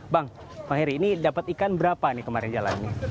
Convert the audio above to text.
bang pak harry ini dapat ikan berapa nih kemarin jalan ini